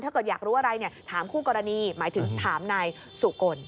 ถ้าเกิดอยากรู้อะไรถามคู่กรณีหมายถึงถามนายสุกล